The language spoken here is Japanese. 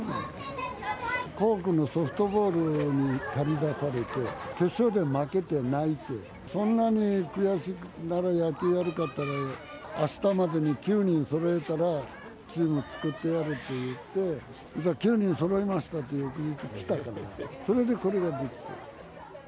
校区のソフトボールに駆り出されて、決勝で負けて、泣いて、そんなに悔しいなら野球やるかって言ったら、あしたまでに９人そろえたら、チーム作ってやるって言って、じゃあ、９人そろえましたって、翌日来たから、それでこれが出来た。